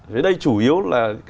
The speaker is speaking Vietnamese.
thế đây chủ yếu là